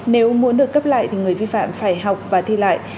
nếu muốn được cấp lại thì người vi phạm phải học và thi lại